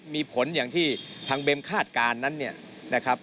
มีผลอย่างที่ทางเบมคาดการณ์นั้น